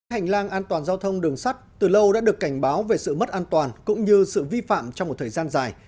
hành lang an toàn giao thông đường sắt từ lâu đã được cảnh báo về sự mất an toàn cũng như sự vi phạm trong một thời gian dài